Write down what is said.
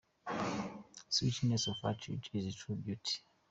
Sweetness of attitude is true beauty.